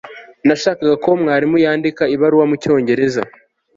nashakaga ko mwarimu yandika ibaruwa mucyongereza